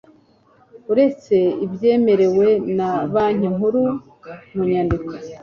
uretse ibyemerewe na banki nkuru mu nyandiko